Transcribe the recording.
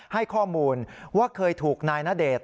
ให้ข้อมูลว่าเคยถูกนายณเดชน์